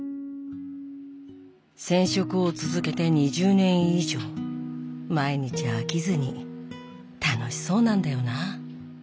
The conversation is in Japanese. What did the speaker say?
染色を続けて２０年以上毎日飽きずに楽しそうなんだよな。